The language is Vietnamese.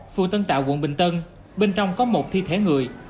phường tân tạo quận bình tân bên trong có một thi thể người